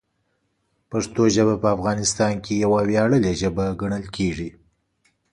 پښتو ژبه په افغانستان کې یوه ویاړلې ژبه ګڼل کېږي.